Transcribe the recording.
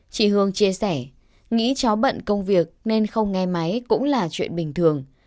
chị hương chia sẻ nghĩ cháu bận công việc nên không nghe máy cũng là chuyện bình thường